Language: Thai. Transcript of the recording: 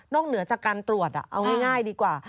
เหนือจากการตรวจเอาง่ายดีกว่า